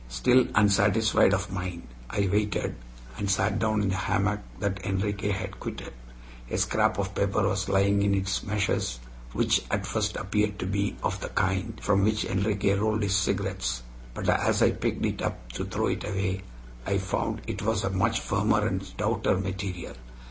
Still unsatisfied of mind, I waited, and sat down in the hammock that Enriquez had quitted. A scrap of paper was lying in its meshes, which at first appeared to be of the kind from which Enriquez rolled his cigarettes; but as I picked it up to throw it away, I found it was of much firmer and stouter material.